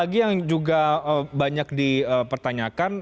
lagi yang juga banyak dipertanyakan